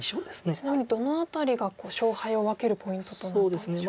ちなみにどの辺りが勝敗を分けるポイントとなったんでしょう？